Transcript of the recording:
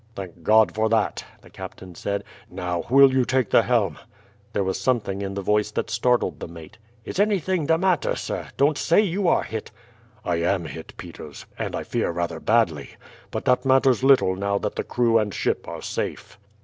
"Thank God for that," the captain said. "Now, will you take the helm?" There was something in the voice that startled the mate. "Is anything the matter, sir? Don't say you are hit." "I am hit, Peters, and I fear rather badly; but that matters little now that the crew and ship are safe."